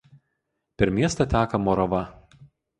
Per miestą teka Morava.